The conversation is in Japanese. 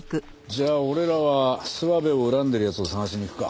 じゃあ俺らは諏訪部を恨んでる奴を捜しに行くか。